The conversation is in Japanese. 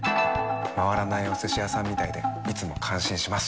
回らないお寿司屋さんみたいでいつも感心します。